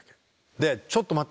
で「ちょっと待って。